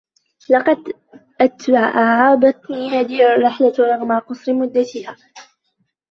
لقد أتعبتني هذه الرحلة رغم قصر مدتها